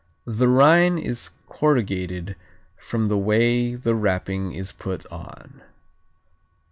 The rind is corrugated from the way the wrapping is put on.